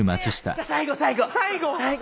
じゃあ最後最後。